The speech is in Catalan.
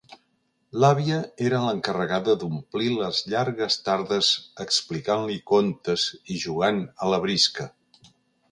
L'àvia era l'encarregada d'omplir les llargues tardes explicant-li contes i jugant a la brisca.